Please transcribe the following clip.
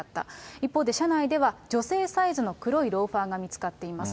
一方で、車内では女性サイズの黒いローファーが見つかっています。